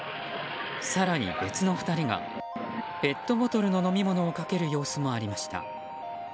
更に、別の２人がポットボトルの飲み物をかける様子もありました。